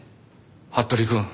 服部くん